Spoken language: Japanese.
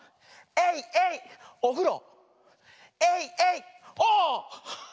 エイエイおふろ。